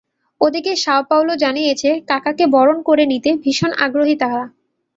ওদিকে Sao Paulo জানিয়েছে, কাকাকে বরণ করে নিতে ভীষণ আগ্রহী তারা।